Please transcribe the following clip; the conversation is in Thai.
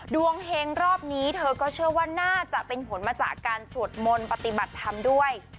เฮงรอบนี้เธอก็เชื่อว่าน่าจะเป็นผลมาจากการสวดมนต์ปฏิบัติธรรมด้วย